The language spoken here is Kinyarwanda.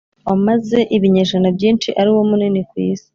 wamaze ibinyejana byinshi ari wo munini ku isi